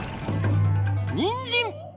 にんじん！